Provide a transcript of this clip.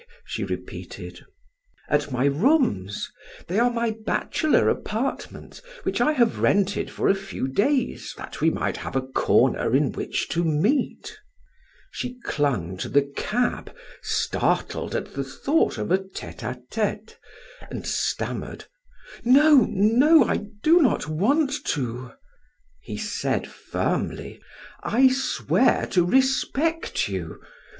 she repeated. "At my rooms; they are my bachelor apartments which I have rented for a few days that we might have a corner in which to meet." She clung to the cab, startled at the thought of a tete a tete, and stammered: "No, no, I do not want to." He said firmly: "I swear to respect you.